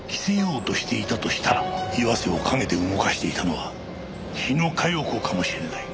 岩瀬を陰で動かしていたのは日野佳代子かもしれない。